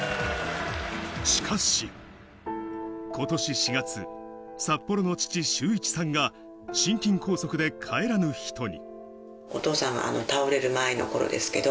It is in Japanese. しかし、ことし４月、札幌の父・修一さんが心筋梗塞で帰らぬ人に。